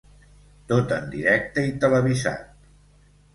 Tot en directe i televisat.